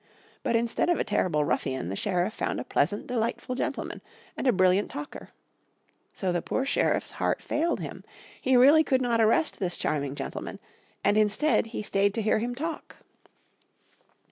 But instead of a terrible ruffian the sheriff found a pleasant, delightful gentleman, and a brilliant talker. So the poor sheriff's heart failed him. He really could not arrest this charming gentleman, and instead he stayed to hear him talk.